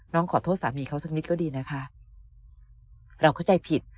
ขอโทษสามีเขาสักนิดก็ดีนะคะเราเข้าใจผิด